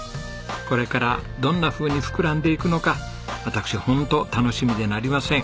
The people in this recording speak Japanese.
これからどんなふうに膨らんでいくのか私ホント楽しみでなりません。